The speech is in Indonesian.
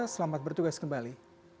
selamat bertugas kembali